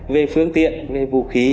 về phương tiện về vũ khí